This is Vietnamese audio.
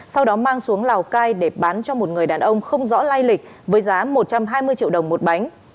sau đó mang xuống lào cai để bán cho một người đàn ông không rõ lai lịch với giá một trăm hai mươi triệu đồng một bánh